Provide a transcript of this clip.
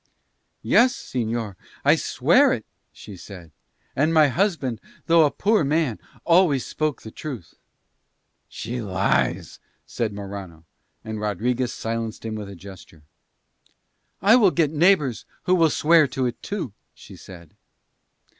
"Yes, señor. I swear it," she said. "And my husband, though a poor man, always spoke the truth." "She lies," said Morano, and Rodriguez silenced him with a gesture. "I will get neighbours who will swear it too," she said.